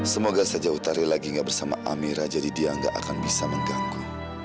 semoga saja utari lagi gak bersama amira jadi dia gak akan bisa mengganggu